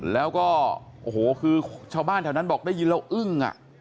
แล้วก็โอ้โหคือชาวบ้านแถวนั้นบอกได้ยินแล้วอึ้ง